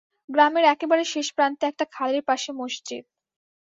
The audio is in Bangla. গ্রামের একেবারে শেষপ্রান্তে একটা খালের পাশে মসজিদ।